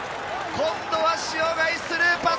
今度は塩貝、スルーパス。